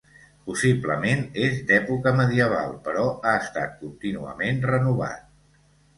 Possiblement és d'època medieval però ha estat contínuament renovat.